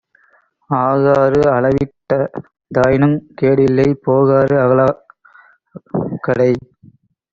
ஆகாறு அளவிட்டிதாயினுங் கேடில்லை, போகாறு அகலாக் கடை.